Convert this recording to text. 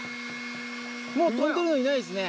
もう飛んでるのいないですね。